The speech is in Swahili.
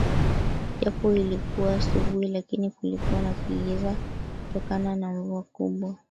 Japo ilikuwa asubuhi lakini kulikuwa na kigiza kutokana na mvua kubwa